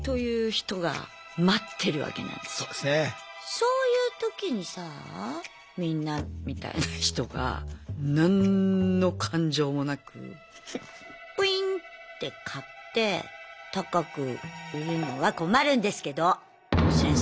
そういうときにさあみんなみたいな人が何の感情もなくプインッて買って高く売るのは困るんですけど先生。